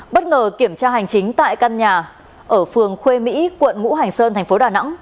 bất ngờ kiểm tra hành chính tại căn nhà ở phường khuê mỹ quận ngũ hành sơn thành phố đà nẵng